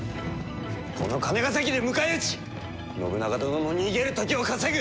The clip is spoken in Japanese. この金ヶ崎で迎え撃ち信長殿の逃げる時を稼ぐ！